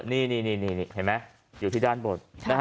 นี่อยู่ที่ด้านบน